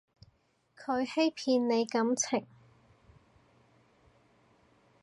佢欺騙你感情